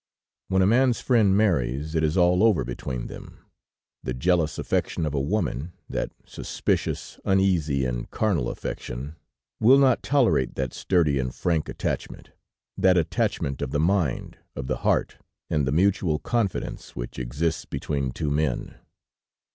When a man's friend marries, it is all over between them. The jealous affection of a woman, that suspicious, uneasy, and carnal affection, will not tolerate that sturdy and frank attachment, that attachment of the mind, of the heart, and mutual confidence which exists between two men.